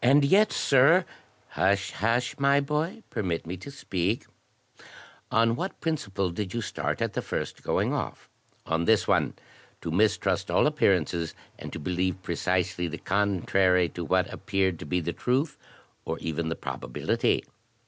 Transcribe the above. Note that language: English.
"And yet, sir " "Hush, hush, my boy, permit me to speak. On what principle 41 lOO THE TECHNIQUE OF THE MYSTERY STORY did you start at the first going off? On this one — to mistrust all appearances, and to believe precisely the contrary to what appeared to be the truth or even the probability."